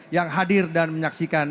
yang hadir dan menyaksikan